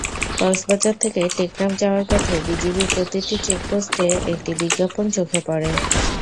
কক্সবাজার থেকে টেকনাফ যাওয়ার পথে বিজিবির প্রতিটি চেকপোস্টে একটি বিজ্ঞাপন চোখে পড়ে।